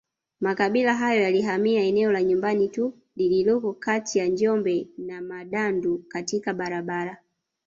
Makabila hayo yalihamia eneo la Nyumbanitu lililoko kati ya Njombe na Mdandu katika barabara